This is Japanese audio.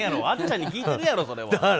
あっちゃんに聞いてるやろそれは。